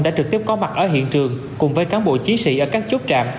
đã trực tiếp có mặt ở hiện trường cùng với cán bộ chiến sĩ ở các chốt trạm